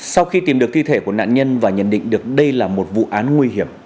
sau khi tìm được thi thể của nạn nhân và nhận định được đây là một vụ án nguy hiểm